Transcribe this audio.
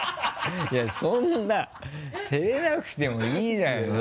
いやそんな照れなくてもいいじゃない。